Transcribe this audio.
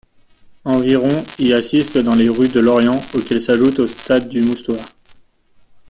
Environ y assistent dans les rues de Lorient, auxquelles s'ajoutent au stade du Moustoir.